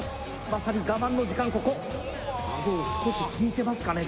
まさに我慢の時間ここ顎を少し引いてますかね